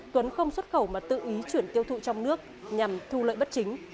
tuấn không xuất khẩu mà tự ý chuyển tiêu thụ trong nước nhằm thu lợi bất chính